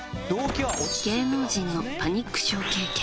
芸能人のパニック症経験。